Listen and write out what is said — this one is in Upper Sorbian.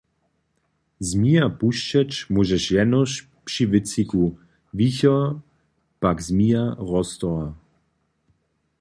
Zmija pušćeć móžeš jenož při wětřiku, wichor pak zmija roztorha.